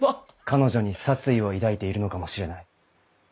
彼女に殺意を抱いているのかもしれない。